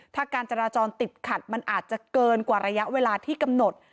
ถ้าการจราจรติดขัดมันอาจจะเกินกว่าระยะเวลาที่กำหนด